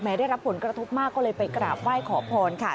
ได้รับผลกระทบมากก็เลยไปกราบไหว้ขอพรค่ะ